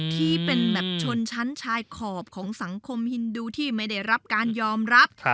ที่เป็นแบบชนชั้นชายขอบของสังคมฮินดูที่ไม่ได้รับการยอมรับ